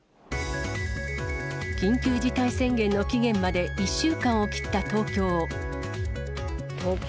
緊急事態宣言の期限まで１週間を切った東京。